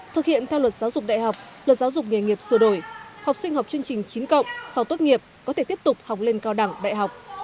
thực hiện theo luật giáo dục đại học luật giáo dục nghề nghiệp sửa đổi học sinh học chương trình chín cộng sau tốt nghiệp có thể tiếp tục học lên cao đẳng đại học